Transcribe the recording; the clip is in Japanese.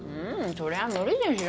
そりゃ無理でしょ